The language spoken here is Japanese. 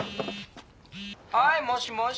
はいもしもし？